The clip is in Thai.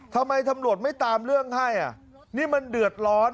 ทำไมตำรวจไม่ตามเรื่องให้อ่ะนี่มันเดือดร้อน